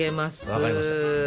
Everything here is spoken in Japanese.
分かりました。